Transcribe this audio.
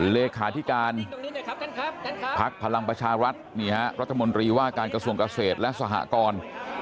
เลขาธิการพักพลังประชารัฐนี่ฮะรัฐมนตรีว่าการกระทรวงเกษตรและสหกร